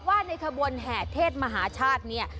ว่าในขบวนแห่เทศมหาชาติเนี่ย